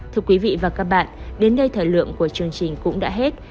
thưa quý vị và các bạn đến đây thời lượng của chương trình cũng đã hết